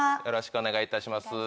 よろしくお願いします。